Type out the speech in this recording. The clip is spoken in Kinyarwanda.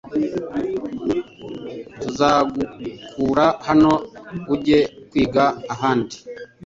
Tuzagukura hano ujye kwiga ahandi